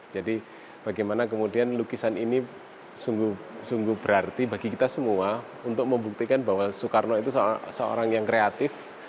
jadi bagaimana kemudian lukisan ini sungguh berarti bagi kita semua untuk membuktikan bahwa soekarno itu seorang yang kreatif